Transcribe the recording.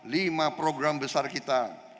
lima program besar kita